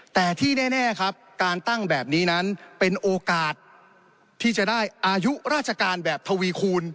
แต่ที่แน่ครับการตั้งแบบนี้นั้นเป็นโอกาสที่จะได้อายุราชการแบบทวีคูณ